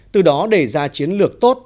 từ đó để ra chiến lược tốt